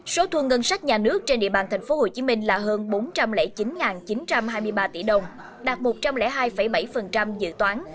số thu ngân sách nhà nước trên địa bàn thành phố hồ chí minh là hơn bốn trăm linh chín chín trăm hai mươi ba tỷ đồng đạt một trăm linh hai bảy dự toán